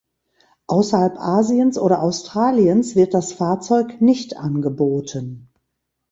Außerhalb Asiens oder Australiens wird das Fahrzeug nicht angeboten.